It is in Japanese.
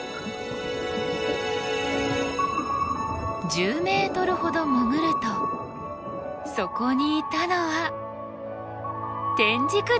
１０ｍほど潜るとそこにいたのはテンジクダイの仲間。